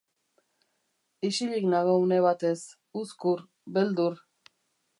Isilik nago une batez, uzkur, beldur.